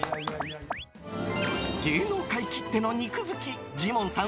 芸能界きっての肉好きジモンさん